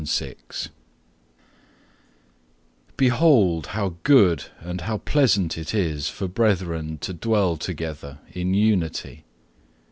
19:133:001 Behold, how good and how pleasant it is for brethren to dwell together in unity!